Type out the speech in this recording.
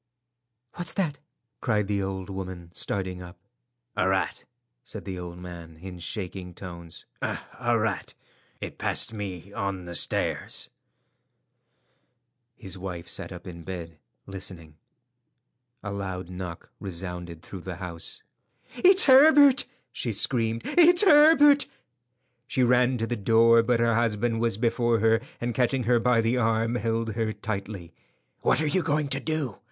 "What's that?" cried the old woman, starting up. "A rat," said the old man in shaking tones—"a rat. It passed me on the stairs." His wife sat up in bed listening. A loud knock resounded through the house. "It's Herbert!" she screamed. "It's Herbert!" She ran to the door, but her husband was before her, and catching her by the arm, held her tightly. "What are you going to do?"